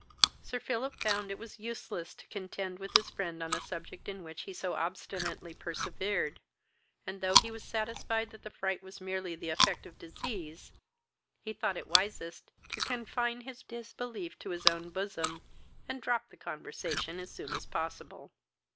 Sir Philip found it was useless to contend with his friend on a subject in which he so obstinately persevered; and, though he was satisfied that the fright was merely the effect of disease, he though it wisest to confine his disbelief to his own bosom, and drop the conversation as soon as possible.